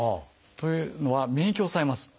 というのは免疫を抑えます。